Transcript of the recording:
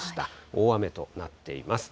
大雨となっています。